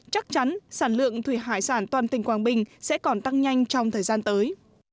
chắc chắn sản lượng thủy hải sản toàn tỉnh quảng bình sẽ còn tăng nhanh trong thời gian tới